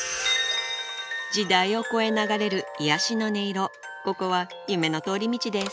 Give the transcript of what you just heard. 時代を超え流れる癒やしの音色ここは夢の通り道です